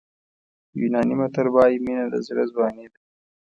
یوناني متل وایي مینه د زړه ځواني ده.